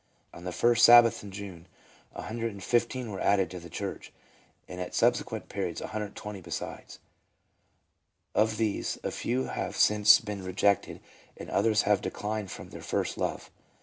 On the first Sabbath in June, 115 were added to the church, and at subsequent periods 120 besides. Of these a few have since been rejected, and others have declined from their first love.